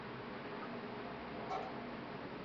Mawe yamerushwa.